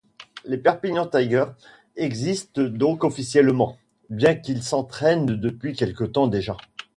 Les Perpignan Tigers existent donc officiellement, bien qu'ils s'entraînent depuis quelque temps déjà.